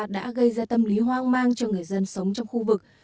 đã gây ra tâm lý hoang mang cho người dân sống trong khu vực